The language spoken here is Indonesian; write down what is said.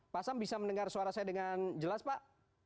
pak sam bisa mendengar suara saya dengan jelas pak